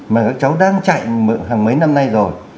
mà các cháu đang chạy mượn hàng mấy năm nay rồi